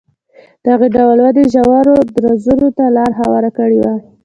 دغې ډول ودې ژورو درزونو ته لار هواره کړې وای.